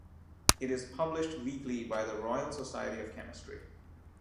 It is published weekly by the Royal Society of Chemistry.